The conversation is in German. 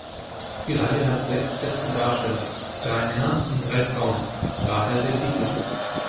Die Reihe hat sechs feste Darsteller, drei Männer und drei Frauen, daher der Titel.